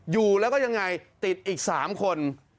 อยู่แล้วก็ยังไงติดอีก๓คน